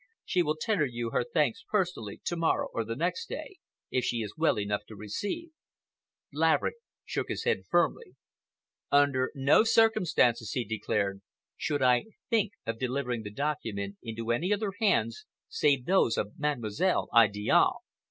She will tender you her thanks personally, tomorrow or the next day, if she is well enough to receive." Laverick shook his head firmly. "Under no circumstances," he declared, "should I think of delivering the document into any other hands save those of Mademoiselle Idiale.